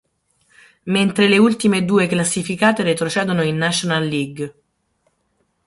Mentre le ultime due classificate retrocedono in National League.